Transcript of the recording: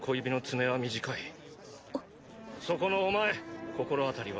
そこのお前心当たりは？